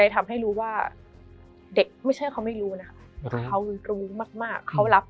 เป็นคนเผ่นปาก